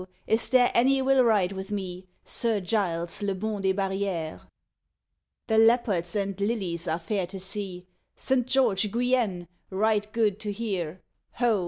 is there any will ride with me, Sir Giles, le bon des barrières?_ The leopards and lilies are fair to see; St. George Guienne! right good to hear: _Ho!